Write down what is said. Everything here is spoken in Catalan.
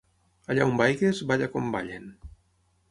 Allà on vagis, balla com ballen.